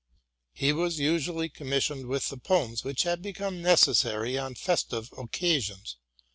He was usually commissioned with the poems which had become necessary on festive occasions.